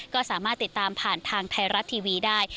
ก็สามารถติดตามผ่านทางไทยรัฐทีวีได้